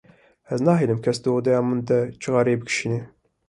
Ez nahêlim kes di odeya min de çixareyê bikişîne.